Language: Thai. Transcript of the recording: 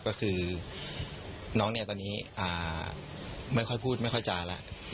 ก็คือน้องเนี่ยตอนนี้ไม่ค่อยพูดไม่ค่อยจาแล้ว